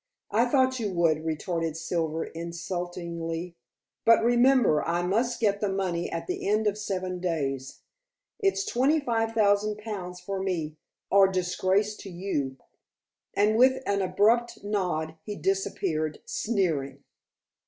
"I thought you would," retorted Silver insultingly. "But remember I must get the money at the end of seven days. It's twenty five thousand pounds for me, or disgrace to you," and with an abrupt nod he disappeared sneering.